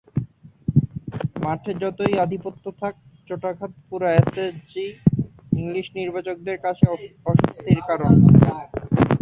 মাঠে যতই আধিপত্য থাক, চোটাঘাত পুরো অ্যাশেজই ইংলিশ নির্বাচকদের কাছে অস্বস্তির কারণ।